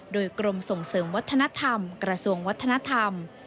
โดยกรมส่งเสริมวัฒนธรรมกระทรวงวัฒนธรรม